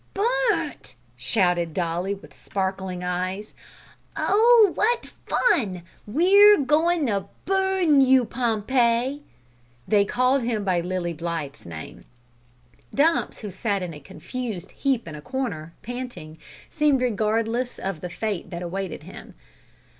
"Bu'nt!" shouted Dolly, with sparkling eyes; "oh, what fun! We're goin' to bu'n you, Pompey." They called him by Lilly Blythe's name. Dumps, who sat in a confused heap in a corner, panting, seemed regardless of the fate that awaited him.